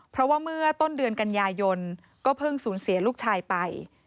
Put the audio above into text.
เพราะว่าเมื่อต้นเดือนกันยายนก็เพิ่งสูญเสียลูกชายไป